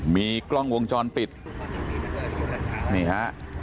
มีกล้องวงจรปิดนี่ฮะ